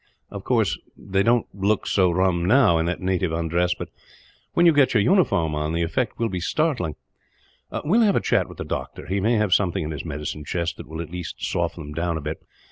Of course they don't look so rum, now, in that native undress; but when you get your uniform on, the effect will be startling. "We will have a chat with the doctor. He may have something in his medicine chest that will at least soften them down a bit.